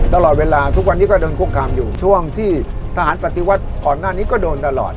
ตลอดเวลาทุกวันนี้ก็โดนคุกคามอยู่ช่วงที่ทหารปฏิวัติก่อนหน้านี้ก็โดนตลอด